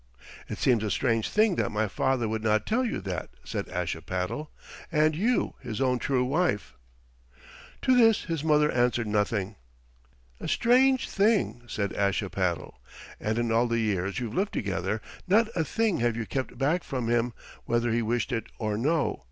"It seems a strange thing that my father would not tell you that," said Ashipattle, "and you his own true wife." To this his mother answered nothing. "A strange thing," said Ashipattle; "and in all the years you've lived together not a thing have you kept back from him, whether he wished it or no.